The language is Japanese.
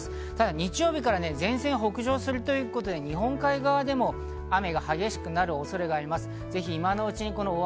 日曜日から前線が北上するということで日本海側でも雨が激しくなる恐れがあります。